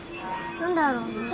何だろう。